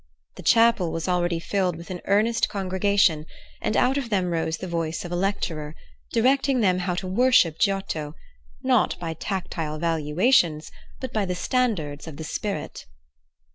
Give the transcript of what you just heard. The chapel was already filled with an earnest congregation, and out of them rose the voice of a lecturer, directing them how to worship Giotto, not by tactful valuations, but by the standards of the spirit.